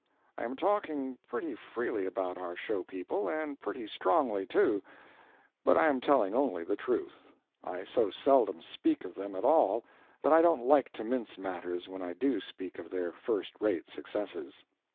I am talking pretty freely about our show people, and pretty strongly, too, but I am telling only the truth. I so seldom speak of them at all, that I don't like to mince matters when I do speak of their first rate successes.